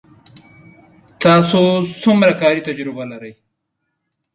تاسو څومره کاري تجربه لرئ